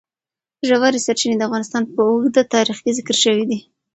ژورې سرچینې د افغانستان په اوږده تاریخ کې ذکر شوی دی.